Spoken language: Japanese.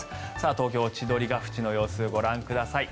東京・千鳥ヶ淵の様子ご覧ください。